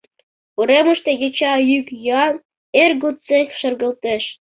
Уремыште йоча йӱк-йӱан эр годсек шергылтеш.